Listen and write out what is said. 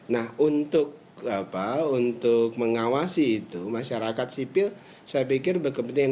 nah untuk mengawasi itu masyarakat sipil saya pikir berkepentingan